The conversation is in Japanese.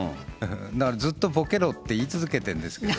だからずっとぼけろって言い続けてんですけど。